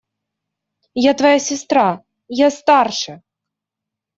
Я твоя сестра… Я старше.